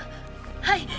はい！